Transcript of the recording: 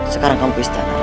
sekarang kamu puistana rai